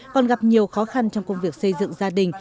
còn gặp nhiều khó khăn trong công việc xây dựng gia đình